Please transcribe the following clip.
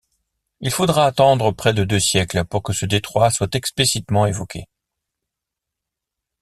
Il faudra attendre près de deux siècles pour que ce détroit soit explicitement évoqué.